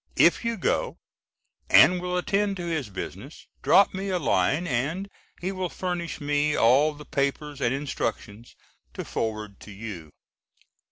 If you go, and will attend to his business, drop me a line and he will furnish me all the papers, and instructions, to forward to you.